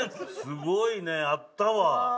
すごいねあったわ。